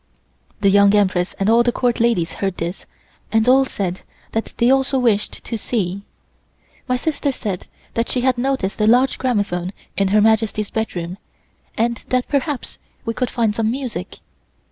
The Young Empress and all the Court ladies heard this, and all said that they also wished to see. My sister said that she had noticed a large gramophone in Her Majesty's bedroom, and that perhaps we could find some music.